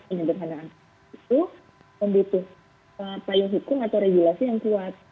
penyederhanaan itu membutuhkan payung hukum atau regulasi yang kuat